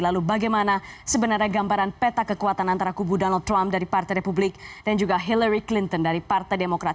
lalu bagaimana sebenarnya gambaran peta kekuatan antara kubu donald trump dari partai republik dan juga hillary clinton dari partai demokrat